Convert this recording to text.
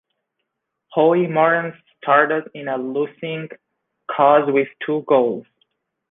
Howie Morenz starred in a losing cause with two goals.